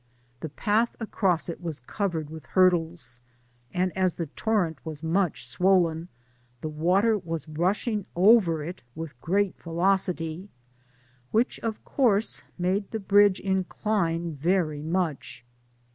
The path across it was covered with hurdles, and as the torrent was much swollen, the water was rushing over it with great velocity, which, of course, made the bridge incline very much.